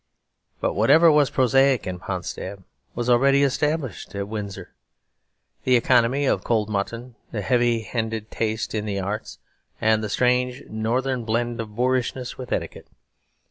But whatever was prosaic in Potsdam was already established at Windsor; the economy of cold mutton, the heavy handed taste in the arts, and the strange northern blend of boorishness with etiquette.